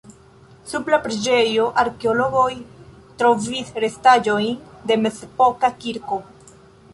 Sub la preĝejo arkeologoj trovis restaĵojn de mezepoka kirko.